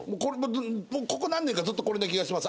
ここ何年かずっとこれな気がします。